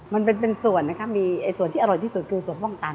มันเป็นส่วนนะคะมีส่วนที่อร่อยที่สุดคือส่วนห้องตัน